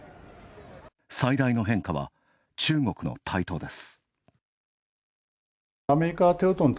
最大の変化は中国の台頭です。